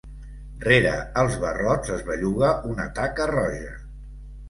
Rere els barrots es belluga una taca roja.